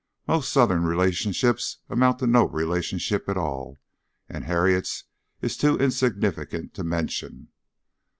Most Southern relationships amount to no relationship at all, and Harriet's is too insignificant to mention."